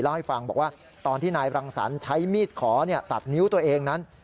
ให้ฟังบอกว่าตอนที่นายรังสรรค์ใช้มีดขอตัดนิ้วตัวเองนั้น